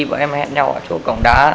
bọn em hẹn nhau ở chỗ cổng đá